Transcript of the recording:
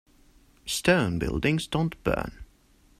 Stone buildings don't burn.